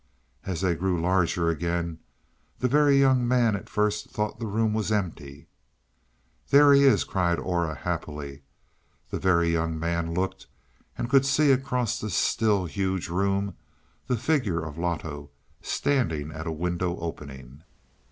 As they grew larger again the Very Young Man at first thought the room was empty. "There he is," cried Aura happily. The Very Young Man looked and could see across the still huge room, the figure of Loto, standing at a window opening.